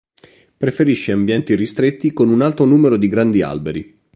Preferisce ambienti ristretti con un alto numero di grandi alberi.